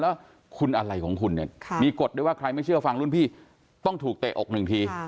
แล้วคุณอะไรของคุณเนี่ยมีกฎด้วยว่าใครไม่เชื่อฟังรุ่นพี่ต้องถูกเตะอกหนึ่งที